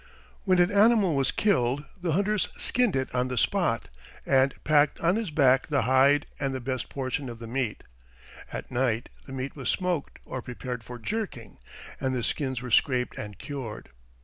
When an animal was killed the hunter skinned it on the spot, and packed on his back the hide and the best portion of the meat. At night the meat was smoked or prepared for "jerking," and the skins were scraped and cured.